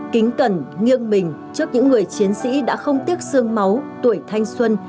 kính cẩn nghiêng mình trước những người chiến sĩ đã không tiếc sương máu tuổi thanh xuân